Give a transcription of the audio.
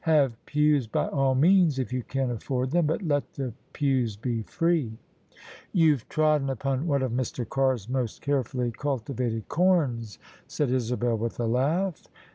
Have pews by all means if you can afford them: but let the pews be free." " You've trodden upon one of Mr. Carr's most carefully cultivated corns," said Isabel with a laugh.